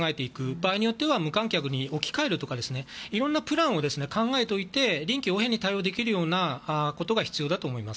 場合によっては無観客に置き換えるとかいろんなプランを考えておいて臨機応変に対応できることが必要だと思います。